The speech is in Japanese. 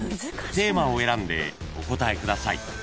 ［テーマを選んでお答えください］